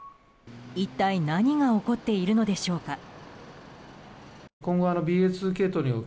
一体何が起こっているのでしょうか。